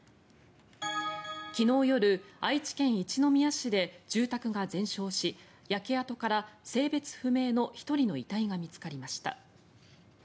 昨日夜、愛知県一宮市で住宅が全焼し焼け跡から性別不明の１人の遺体が見つかりました。